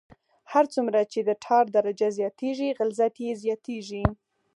هر څومره چې د ټار درجه زیاتیږي غلظت یې زیاتیږي